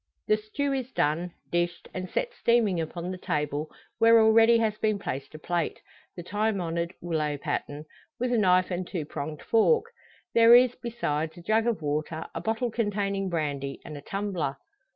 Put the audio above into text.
The stew is done, dished, and set steaming upon the table, where already has been placed a plate the time honoured willow pattern with a knife and two pronged fork. There is, besides, a jug of water, a bottle containing brandy, and a tumbler.